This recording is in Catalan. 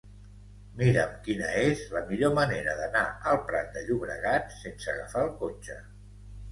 Mira'm quina és la millor manera d'anar al Prat de Llobregat sense agafar el cotxe.